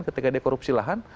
ketika dia korupsi lahan